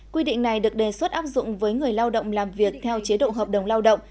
quy định này được đề xuất áp dụng với người lao động làm việc theo chế độ hợp đồng lao động